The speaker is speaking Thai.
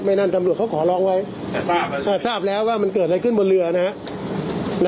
นั่นตำรวจเขาขอร้องไว้แต่ทราบแล้วทราบแล้วว่ามันเกิดอะไรขึ้นบนเรือนะครับ